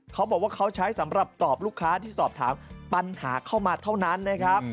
เขาบอกว่าเขาใช้สำหรับตอบลูกค้าที่สอบถามปัญหาเข้ามาเท่านั้นนะครับ